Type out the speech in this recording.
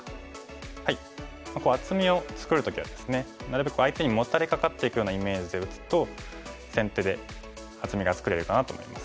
厚みを作る時はですねなるべく相手にモタれかかっていくようなイメージで打つと先手で厚みが作れるかなと思います。